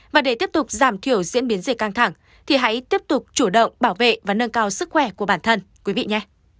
và để tiếp tục giảm thiểu diễn biến dịch căng thẳng thì hãy tiếp tục chủ động bảo vệ và nâng cao sức khỏe của bản thân quý vị